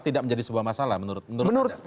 tidak menjadi sebuah masalah menurut anda